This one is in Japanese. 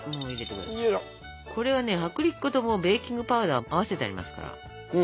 これはね薄力粉ともうベーキングパウダーを合わせてありますから。